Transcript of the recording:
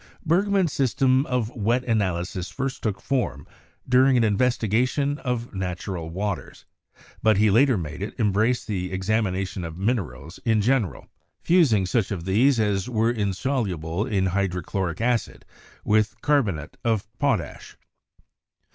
Bergman's system of wet analysis first took form dur ing an investigation of natural waters; but he later made it embrace the examination of minerals in general, fusing such of these as were insoluble in hydrochloric acid with carbonate of potash.